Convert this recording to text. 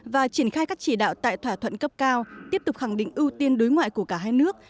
và triển khai các chỉ đạo tại thỏa thuận cấp cao tiếp tục khẳng định ưu tiên đối ngoại của cả hai nước